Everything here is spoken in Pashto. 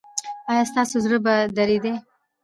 ایا ستاسو زړه به دریدي؟